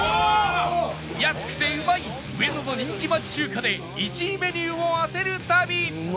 安くてうまい上野の人気町中華で１位メニューを当てる旅